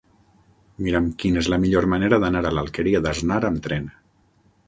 Mira'm quina és la millor manera d'anar a l'Alqueria d'Asnar amb tren.